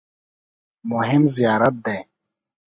مهم زیارت دی.